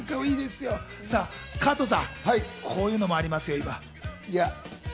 加藤さん、こういうのもありますよ、今。